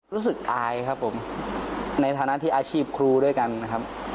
อายครับผมในฐานะที่อาชีพครูด้วยกันนะครับ